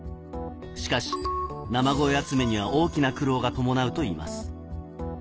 しかし生声集めには大きな苦労が伴うといいます。